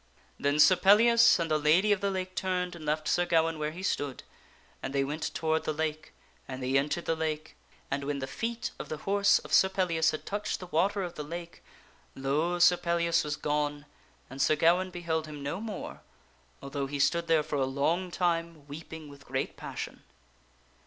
Then Sir Pellias and the Lady of the Lake turned and left Sir Gawaine where he stood, and they went toward the lake, and they appearetk into entered the lake, and when the feet of the horse of Sir Pellias ike lake. had touc h e( j t h e water of the lake, lo ! Sir Pellias was gone and Sir Gawaine beheld him no more, although he stood there for a long time weeping with great passion.